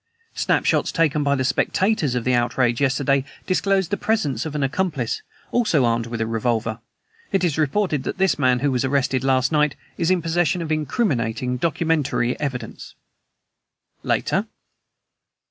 "Snapshots taken by the spectators of the outrage yesterday disclosed the presence of an accomplice, also armed with a revolver. It is reported that this man, who was arrested last night, was in possession of incriminating documentary evidence." Later.